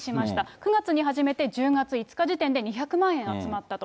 ９月に始めて１０月５日時点で、２００万円集まったと。